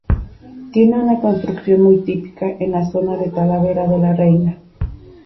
Tiene una construcción muy típica en la zona de Talavera de la Reina.